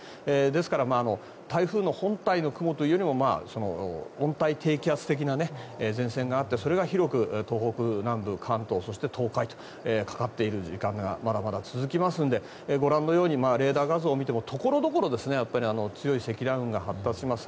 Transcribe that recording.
ですから台風の本体の雲というよりも温帯低気圧的な前線があってそれが広く東北南部関東、そして東海とかかっている時間がまだまだ続きますのでご覧のようにレーダー画像を見ても所々、強い積乱雲が発達します。